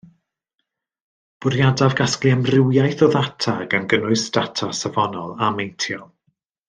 Bwriadaf gasglu amrywiaeth o ddata gan gynnwys data safonol a meintiol